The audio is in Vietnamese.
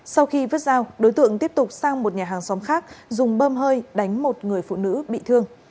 sau khi vớt dao đối tượng tiếp tục sang một nhà hàng xóm khác dùng bơm hơi đánh một người phụ nữ bị thương